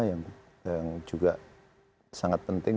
yang juga sangat penting